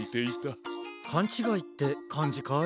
かんちがいってかんじかい？